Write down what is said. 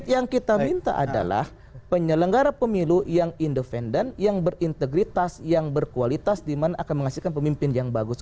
yang kita minta adalah penyelenggara pemilu yang independen yang berintegritas yang berkualitas di mana akan menghasilkan pemimpin yang bagus